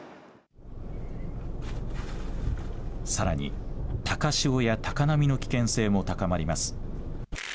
さらに高潮や高波の危険性も高まります。